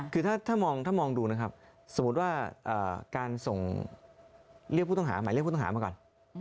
คือถ้ามองดูนะครับสมมติว่าการส่งหมายเรียกผู้ต้องหามาก่อน